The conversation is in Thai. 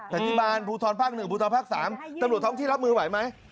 ปฏิบันภูทรภาคหนึ่งภูทรภาคสามตำรวจท้องที่รับมือไหวไหม